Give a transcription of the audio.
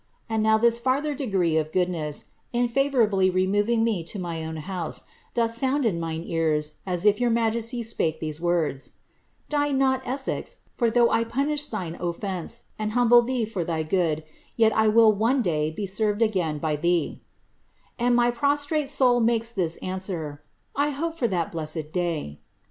And now this fiu^ ther degree of goodness, in favourably removing me to mine own house, doth sound in mine ears, as if your majesty spake these words, * Du not Eutx^ for tkomgh Ipwmth thine cfftnet^ and humble thee fir thygoodyyet IvnU one day be etrved flfOM by thee,* And my prostrate soul makes this answer, I hope fir that bleued day.